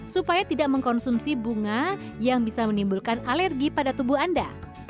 supaya tidak mengkonsumsi bunga yang bisa menimbulkan alergi pada tubuh anda